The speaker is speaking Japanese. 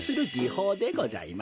ほうでございます。